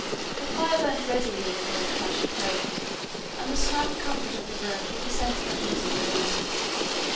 A fire burnt redly in the old fashioned grate and the snug comfort of the room brought a sense of ease and relief.